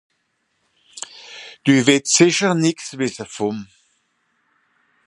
Dü wìtt sìcher nìx vùm wìsse ?